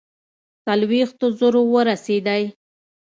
څلوېښتو زرو ورسېدی.